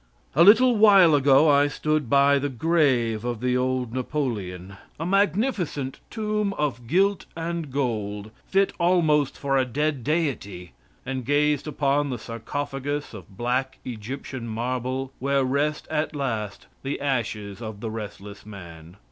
A little while ago I stood by the grave of the old Napoleon a magnificent tomb of gilt and gold, fit almost for a dead deity and gazed upon the sarcophagus of black Egyptian marble, where rest at last the ashes of the restless man.